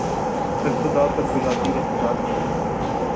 ہر صدا پر بلاتی رہی رات بھر